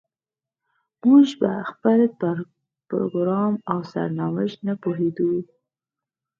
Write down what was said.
موږ په خپل پروګرام او سرنوشت نه پوهېدو.